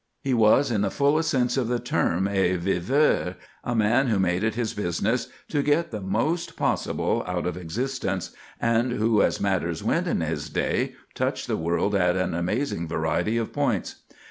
He was, in the fullest sense of the term, a viveur—a man who made it his business to get the most possible out of existence, and who, as matters went in his day, touched the world at an amazing variety of points.